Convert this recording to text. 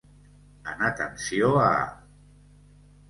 En atenció a.